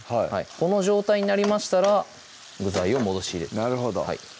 この状態になりましたら具材を戻し入れていきます